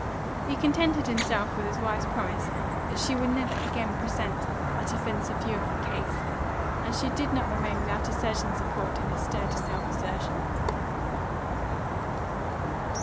He contented himself with his wife's promise that she would never again present that offensive view of the case, and she did not remain without a certain support in his sturdy self assertion.